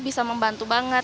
bisa membantu banget